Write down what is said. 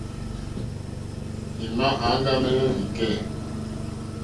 Ì mà áŋɡámɛ́nɛ́ lìkɛ̂.